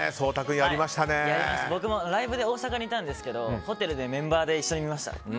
やりました、僕もライブで大阪にいたんですがホテルでメンバーと一緒に見ました。